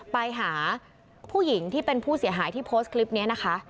ไปหาผู้หญิงที่เป็นผู้เสียหายที่โพสต์คลิปนี้นะคะ